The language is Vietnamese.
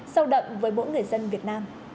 sâu đậm với mỗi người dân việt nam